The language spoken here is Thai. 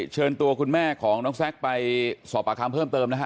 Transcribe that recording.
เชิญตัวคุณแม่ของน้องแซคไปสอบปากคำเพิ่มเติมนะฮะ